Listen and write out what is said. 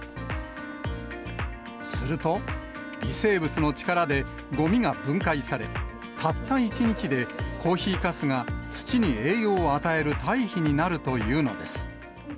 すると、微生物の力でごみが分解され、たった１日で、コーヒーかすが土に栄養を与える堆肥になるというのです。